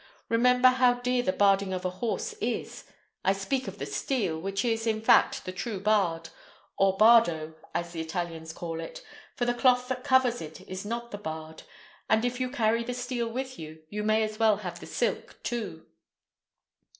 Remember how dear the barding of a horse is: I speak of the steel, which is, in fact, the true bard, or bardo, as the Italians call it, for the cloth that covers it is not the bard; and if you carry the steel with you, you may as well have the silk too."